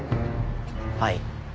はい。